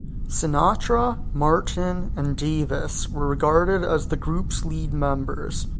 Sinatra, Martin, and Davis were regarded as the group's lead members.